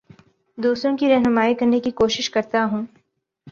دوسروں کی رہنمائ کرنے کی کوشش کرتا ہوں